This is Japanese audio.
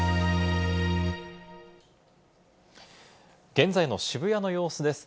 現在の渋谷の様子です。